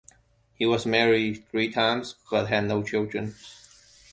He was married three times, but had no children.